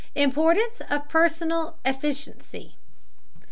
IMPORTANCE OF PERSONAL EFFICIENCY.